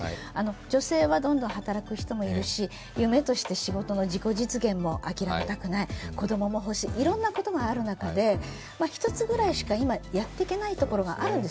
女性はどんどん働く人もいるし、夢として仕事の自己実現も諦めたくない、子供も欲しい、いろんなことがある中で、１つぐらいしか今、やっていけないところがあるんです。